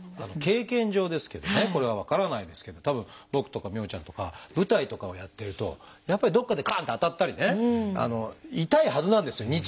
経験上ですけどねこれは分からないですけどたぶん僕とか美帆ちゃんとか舞台とかをやってるとやっぱりどっかでガン！と当たったりね痛いはずなんですよ